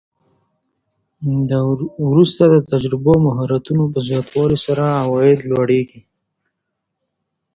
وروسته د تجربو او مهارتونو په زیاتوالي سره عواید لوړیږي